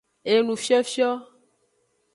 Enufiofio.